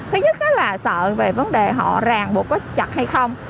thứ nhất là sợ về vấn đề họ ràng buộc có chặt hay không